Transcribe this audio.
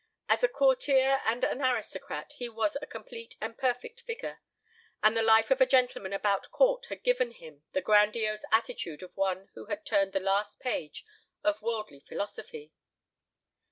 As a courtier and an aristocrat he was a complete and perfect figure, and the life of a gentleman about court had given him the grandiose attitude of one who had turned the last page of worldly philosophy.